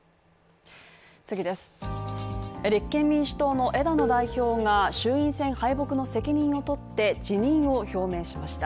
立憲民主党の枝野代表が衆院選敗北の責任を取って、辞任を表明しました。